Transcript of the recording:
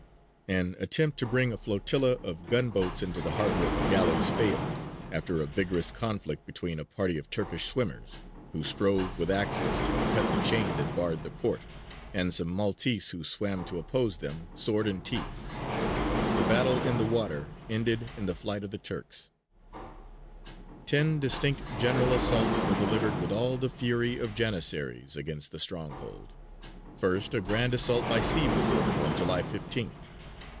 An attempt to bring a flotilla of gun boats into the Harbour of the Galleys failed, after a vigorous conflict between a party of Turkish swimmers, who strove with axes to cut the chain that barred the port, and some Maltese who swam to oppose them, sword in teeth. The battle in the water ended in the flight of the Turks. [Illustration: SKETCH OF THE PORT OF MALTA IN 1565.] Ten distinct general assaults were delivered with all the fury of Janissaries against the stronghold. First, a grand assault by sea was ordered on July 15th.